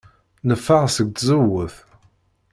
Neffeɣ seg tzewwut.